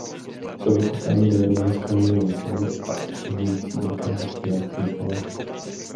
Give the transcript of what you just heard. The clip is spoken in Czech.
Jsou vytesány do jednoho skalního masivu a obsahují velké množství nástěnných maleb.